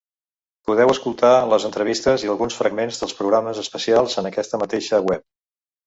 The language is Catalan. Podeu escoltar les entrevistes i alguns fragments dels programes especials en aquesta mateixa web.